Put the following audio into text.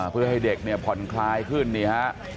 เพื่อให้เด็กเนี่ยผ่อนคลายขึ้นนี่ฮะ